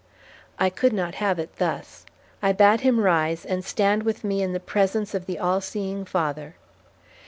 I could not have it thus. I bade him rise, and stand with me in the presence of the all seeing Father.